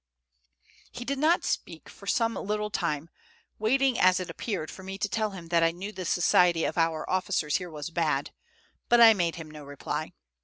He did not speak for some little time, waiting, as it appeared, for me to tell him that I knew the society of our officers here was bad; but I made him no reply.